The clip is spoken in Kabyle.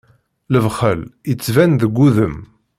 Lebxel ittban deg udem.